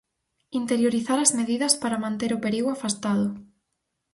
Interiorizar as medidas para manter o perigo afastado.